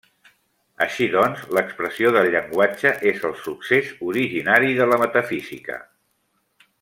Així doncs, l’expressió del llenguatge és el succés originari de la metafísica.